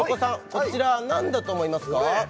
こちら何だと思いますか？